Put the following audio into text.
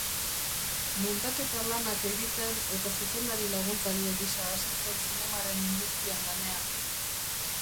Muntaketa-lanak egiten eta zuzendari-laguntzaile gisa hasi zen zinemaren industrian lanean.